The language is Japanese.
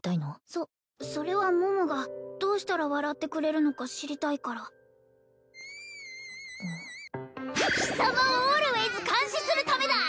そそれは桃がどうしたら笑ってくれるのか知りたいから貴様をオールウェイズ監視するためだ！